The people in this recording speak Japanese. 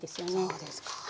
そうですか。